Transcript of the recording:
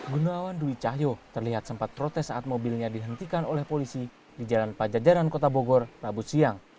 gunawan dwi cahyo terlihat sempat protes saat mobilnya dihentikan oleh polisi di jalan pajajaran kota bogor rabu siang